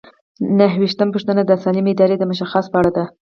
نهه ویشتمه پوښتنه د سالمې ادارې د مشخصاتو په اړه ده.